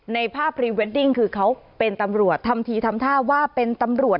ในภาพพรีเวดดิ้งคือเขาเป็นตำรวจทำทีทำท่าว่าเป็นตำรวจ